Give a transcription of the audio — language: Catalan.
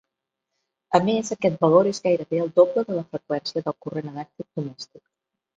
A més aquest valor és gairebé el doble de la freqüència del corrent elèctric domèstic.